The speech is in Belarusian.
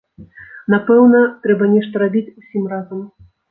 Напэўна, трэба нешта рабіць усім разам.